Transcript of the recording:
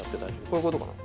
こういうことかな？